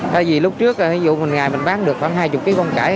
tại vì lúc trước ví dụ mình ngày mình bán được khoảng hai mươi kg con cải